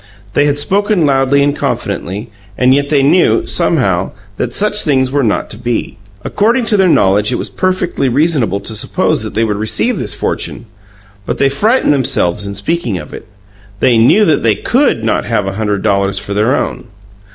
They had spoken loudly and confidently, and yet they knew, somehow, that such things were not to be. According to their knowledge, it was perfectly reasonable to suppose that they would receive this fortune; but they frightened themselves in speaking of it. They knew that they COULD not have a hundred dollars for their own.